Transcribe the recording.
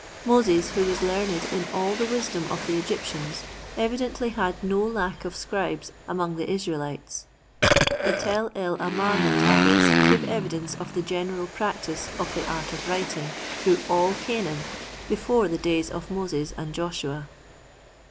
Moses, who was learned in all the wisdom of the Egyptians, evidently had no lack of scribes among the Israelites. The Tel el Amarna tablets give evidence of the general practice of the art of writing through all Canaan before the days of Moses and Joshua.